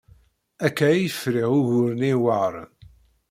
Akka ay friɣ ugur-nni iweɛṛen.